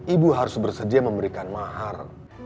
ibu harus bersedia memberikan mahar